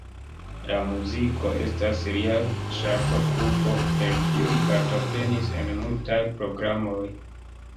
La muziko estas lia ŝatokupo, per kiu li partoprenis en multaj programoj.